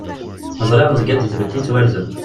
Ẓriɣ nezga-d deg tmetti yettwarzen.